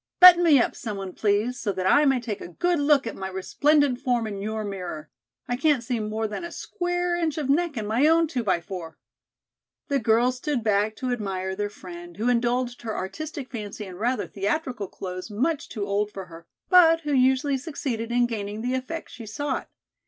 Button me up, someone, please, so that I may take a good look at my resplendent form in your mirror. I can't see more than a square inch of neck in my own two by four." The girls stood back to admire their friend, who indulged her artistic fancy in rather theatrical clothes much too old for her, but who usually succeeded in gaining the effect she sought.